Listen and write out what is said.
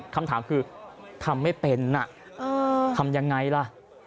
คำถามคือทำไม่เป็นทำยังไงล่ะ